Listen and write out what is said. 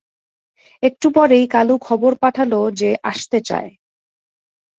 একটু পরেই কালু খবর পাঠাল যে আসতে চায়।